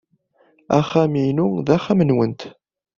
Axxam-inu d axxam-nwent.